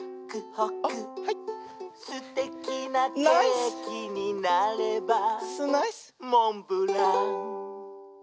「すてきなケーキになればモンブラン！」